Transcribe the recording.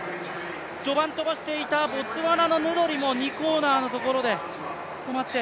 序盤飛ばしていた、ボツワナのヌドリも２コーナーのところで止まって。